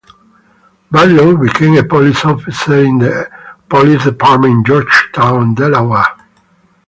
Barlow became a police officer in the police department in Georgetown, Delaware.